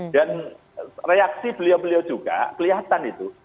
dan reaksi beliau beliau juga kelihatan itu